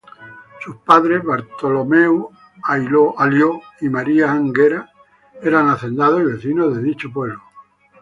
Sus padres Bartomeu Alió y Maria Anguera, eran hacendados y vecinos de dicho pueblo.